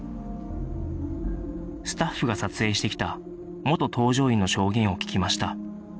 スタッフが撮影してきた元搭乗員の証言を聞きました